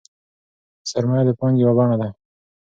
سرمایه د پانګې یوه بڼه ده.